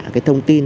cái thông tin